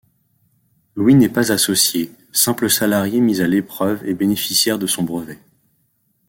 Louis n'est pas associé, simple salarié mis à l'épreuve et bénéficiaire de son brevet.